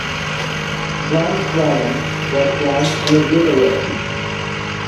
John Qualen was blind in his later years.